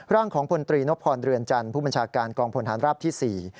ร่างของพลตรีนพรเรือนจันทร์ผู้บัญชาการกองพลฐานราบที่๔